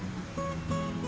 kalau ketupatnya ya